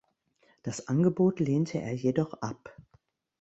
Das Angebot lehnte er jedoch ab.